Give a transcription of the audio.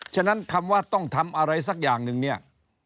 ฉะนั้นคำว่าต้องทำอะไรสักอย่างหนึ่งเนี่ย